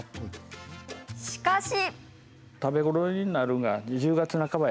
しかし。